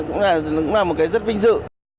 cũng là một cái rất vinh dự